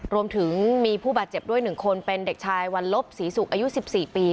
รวมถึงมีผู้บาดเจ็บด้วย๑คนเป็นเด็กชายวันลบศรีศุกร์อายุ๑๔ปี